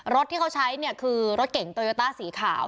รถที่เขาใช้เนี่ยคือรถเก่งโตโยต้าสีขาว